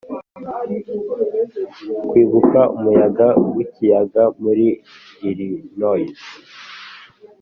kwibuka umuyaga w'ikiyaga muri illinois,